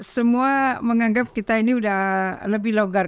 semua menganggap kita ini sudah lebih longgar